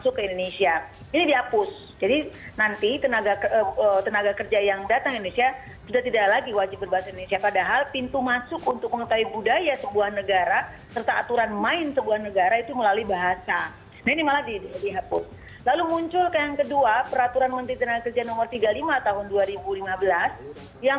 kenapa pertanyaannya karena melanggar konstitusi diatasnya